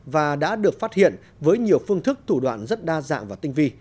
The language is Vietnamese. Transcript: và đã được phát hiện với nhiều phương thức thủ đoạn rất đa dạng và tinh vi